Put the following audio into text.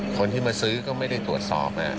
คนที่มาซื้อก็ไม่ได้ตรวจสอบ